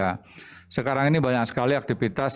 nah sekarang ini banyak sekali aktivitas